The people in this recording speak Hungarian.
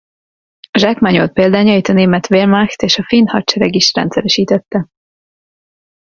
Zsákmányolt példányait a német Wehrmacht és a finn hadsereg is rendszeresítette.